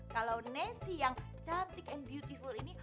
kalau nessy yang cantik and beautiful ini